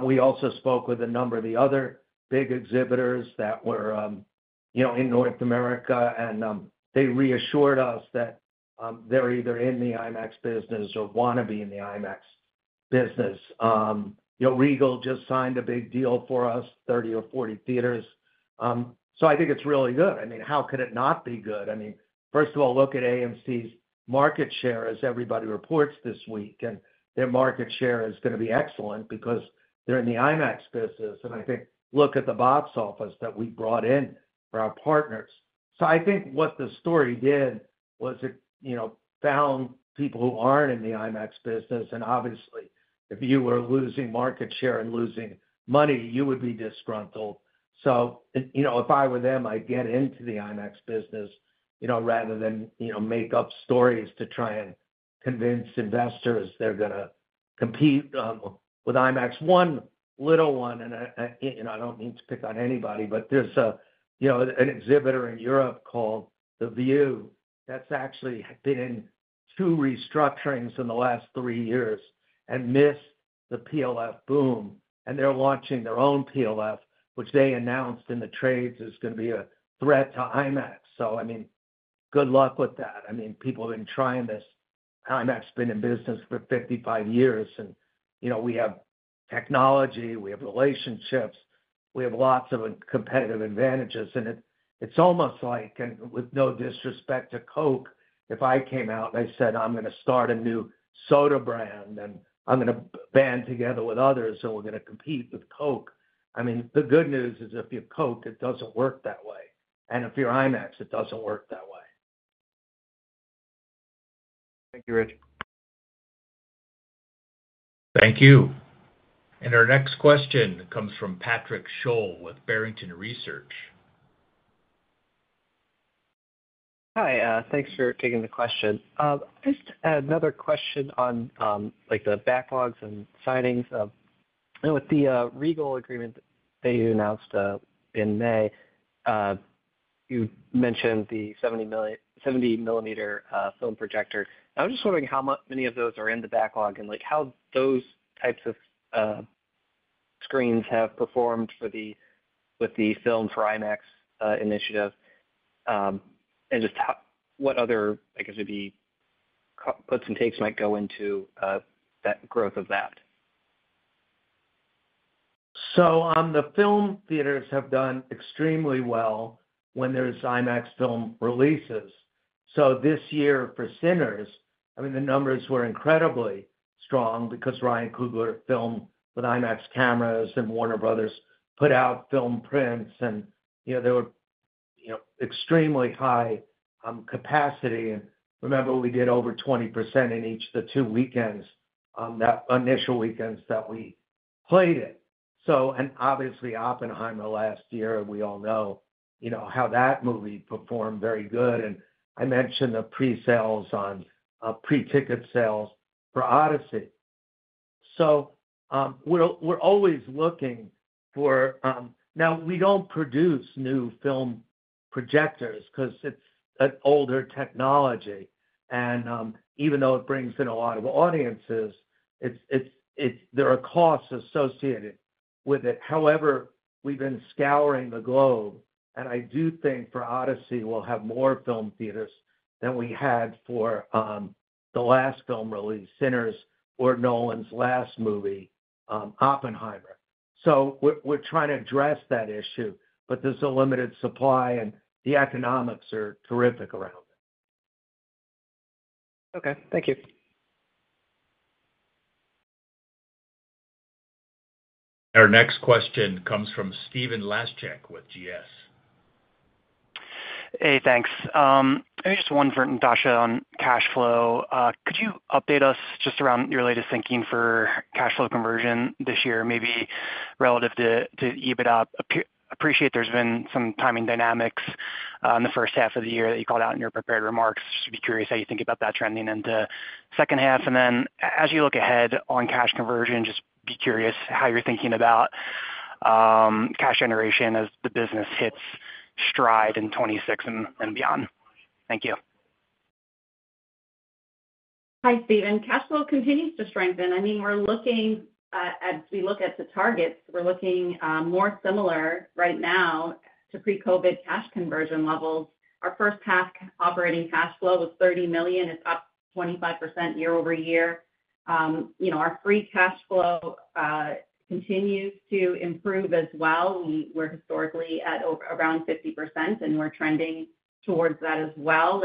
We also spoke with a number of the other big exhibitors that were in North America and they reassured us that they're either in the IMAX business or want to be in the IMAX business. Regal just signed a big deal for us, 30 or 40 theaters. I think it's really good. How could it not be good? First of all, look at AMC's market share, as everybody reports this week, and their market share is going to be excellent because they're in the IMAX business. I think look at the box office that we brought in for our partners. What the story did was it found people who aren't in the IMAX business and obviously if you were losing market share and losing money, you would be disgruntled. If I were them, I'd get into the IMAX business rather than make up stories to try and convince investors they're going to compete with IMAX. One little one. I don't mean to pick on anybody, but there's an exhibitor in Europe called the Vue that's actually been through two restructurings in the last three years and missed the PLF boom and they're launching their own PLF, which they announced in the trades is going to be a threat to IMAX. Good luck with that. People have been trying this. IMAX has been in business for 55 years. We have technology, we have relationships, we have lots of competitive advantages. It's almost like, and with no disrespect to Coke, if I came out, they said, I'm going to start a new soda brand and I'm going to band together with others and we're going to compete with Coke. The good news is if you're Coke, it doesn't work that way. If you're IMAX, it doesn't work that way. Thank you, Rich. Thank you. Our next question comes from Patrick Scholl with Barrington Research. Hi, thanks for taking the question. Just another question on the backlogs and signings with the Regal agreement that you announced in May. You mentioned the 70 millimeter film projector. I was just wondering how many of those are in the backlog and how those types of screens have performed with the Filmed for IMAX initiative and what other, I guess, would be puts and takes might go into that growth. So the film theaters have done extremely well when there's IMAX film releases. This year for Sinners, the numbers were incredibly strong because Ryan Coogler filmed with IMAX cameras and Warner Bros put out film prints and they were extremely high capacity. Remember, we did over 20% in each of the two weekends on the initial weekends that we played it. Obviously, Oppenheimer last year, we all know how that movie performed, very good. I mentioned the pre-sales on pre-ticket sales for Odyssey. So we're always looking for it. We don't produce new film projectors because it's an older technology and even though it brings in a lot of audiences, there are costs associated with it. However, we've been scouring the globe and I do think for Odyssey we'll have more film theaters than we had for the last film released, Sinners or Nolan's last movie, Oppenheimer. So we're trying to address that issue, but there's a limited supply and the economics are terrific around it. Okay, Thank you. Our next question comes from Steven Laszczyk with GS. Hey, thanks. Maybe just one for Natasha on cash flow. Could you update us just around your latest thinking for cash flow conversion this year, maybe relative to EBITDA? Appreciate there's been some timing dynamics in the first half of the year that you called out in your prepared remarks. Be curious how you think about that trending into the second half and then as you look ahead on cash conversion, just be curious how you're thinking about cash generation as the business hits stride in 2026 and beyond. Thank you. Hi Steven. Cash flow continues to strengthen. We're looking, as we look at the target, more similar right now to pre-COVID cash conversion levels. Our first half operating cash flow was $30 million. It's up 25% year-over-year. Our free cash flow continues to improve as well. We were historically at around 50% and we're trending towards that as well.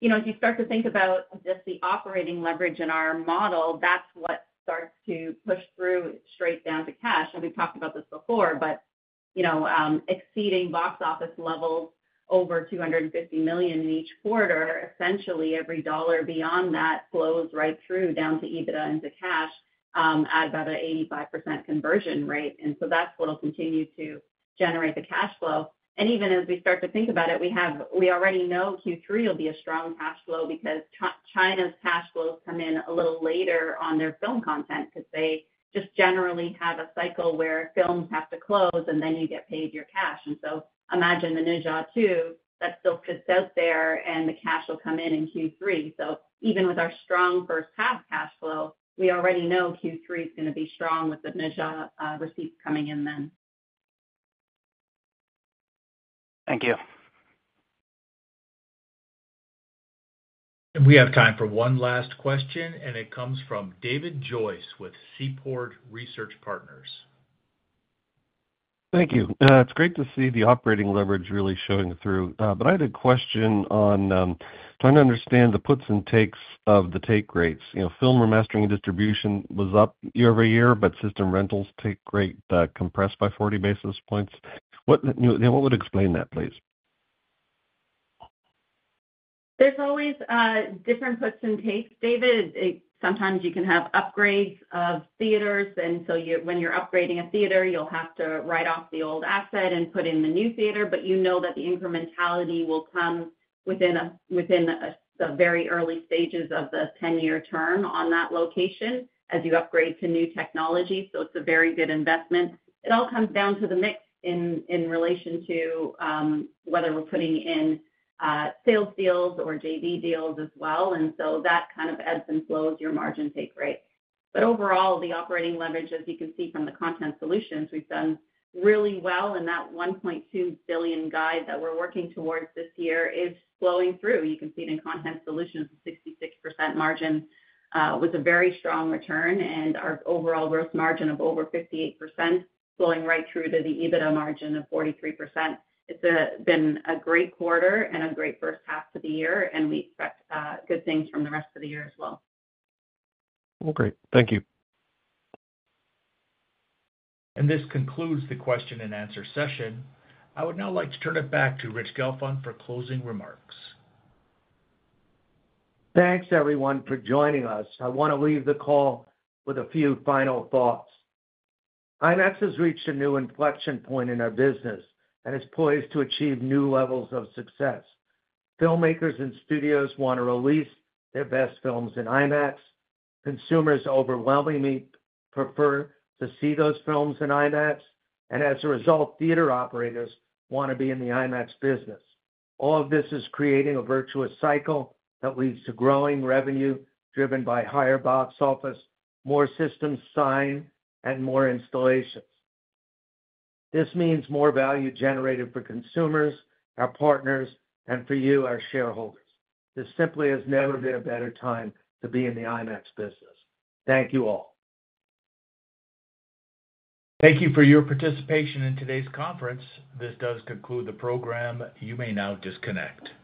If you start to think about just the operating leverage in our model, that's what starts to push through straight down to cash. We've talked about this before, but exceeding box office levels, over $250 million in each quarter, essentially every dollar beyond that flows right through down to EBITDA into cash at about an 85% conversion rate. That's what will continue to generate the cash flow. Even as we start to think about it, we already know Q3 will be a strong cash flow because China's cash flows come in a little later on their film content because they just generally have a cycle where films have to close and then you get paid your cash. Imagine the Ne Zha II that's still out there and the cash will come in in Q3. Even with our strong first half cash flow, we already know Q3 is going to be strong with the Ne Zha receipt coming in then. Thank you. We have time for one last question. It comes from David Joyce with Seaport Research Partners. Thank you. It's great to see the operating leverage really showing through. I had a question on trying to understand the puts and takes of the take rates. You know, film remastering and distribution was up year-over-year, but system rentals take rate compressed by 40 basis points. What would explain that, please? There is always different puts and takes, David. Sometimes you can have upgrades of theaters, and when you're upgrading a theater, you'll have to write off the old asset and put in the new theater. You know that the incrementality will come within the very early stages of the 10-year term on that location as you upgrade to new technology. It is a very good investment. It all comes down to the mix in relation to whether we're putting in sales deals or JV deals as well. That kind of ebbs and flows your margin take rate. Overall, the operating leverage, as you can see from the Content Solutions, we've done really well in that $1.2 billion guide that we're working towards this year is flowing through. You can see it in Content Solutions. 66% margin was a very strong return, and our overall gross margin of over 58% flowing right through to the EBITDA margin of 43%. It's been a great quarter and a great first half of the year, and we expect good things from the rest of the year as well. Thank you. This concludes the question-and-answer session. I would now like to turn it back to Rich Gelfond for closing remarks. Thanks everyone for joining us. I want to leave the call with a few final thoughts. IMAX has reached a new inflection point in our business and is poised to achieve new levels of success. Filmmakers and studios want to release their best films in IMAX. Consumers overwhelmingly prefer to see those films in IMAX, and as a result, theater operators want to be in the IMAX business. All of this is creating a virtuous cycle that leads to growing revenue driven by higher box office, more systems signed, and more installations. This means more value generated for consumers, our partners, and for you, our shareholders. There simply has never been a better time to be in the IMAX business. Thank you all. Thank you for your participation in today's conference. This does conclude the program. You may now disconnect.